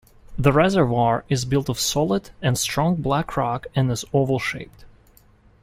The reservoir is built of solid and strong black rock and is oval shaped.